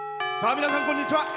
皆さん、こんにちは。